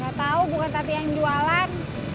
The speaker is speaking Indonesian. gak tau bukan tadi yang jualan